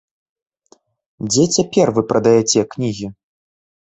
Дзе цяпер вы прадаяце кнігі?